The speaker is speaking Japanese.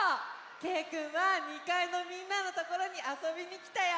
けいくんは２かいのみんなのところにあそびにきたよ！